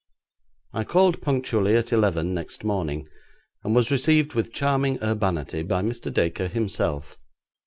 I called punctually at eleven next morning, and was received with charming urbanity by Mr. Dacre himself.